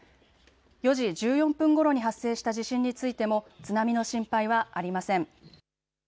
４時１４分ごろに発生した地震についても津波の心配はありません。